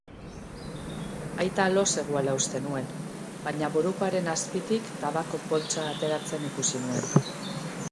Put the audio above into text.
Aita lo zegoela uste nuen, baina burukoaren azpitik tabako-poltsa ateratzen ikusi nuen.